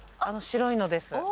あの白いのです。